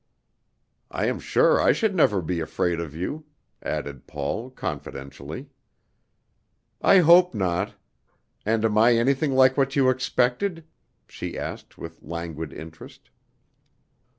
"I am sure I should never be afraid of you," added Paul, confidentially. "I hope not; and am I anything like what you expected?" she asked with languid interest.